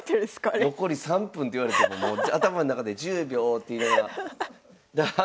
残り３分って言われてももう頭ん中で「１０秒」って言いながら。